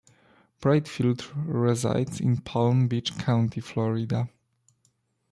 Brightfield resides in Palm Beach County, Florida.